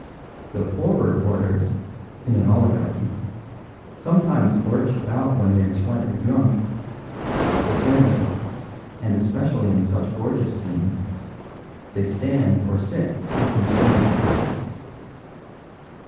The poorer orders (in an oligarchy) sometimes lurch about when they are slightly drunk, but generally, and especially in such gorgeous scenes, they stand or sit in constrained attitudes.